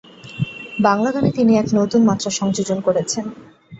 বাংলা গানে তিনি এক নতুন মাত্রা সংযোজন করেছেন।